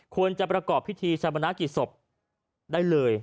ควรจะประกอบพิธีชาปนากิจศพได้เลย